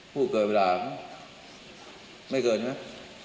พูดเกินเวลามั้งไม่เกินไหม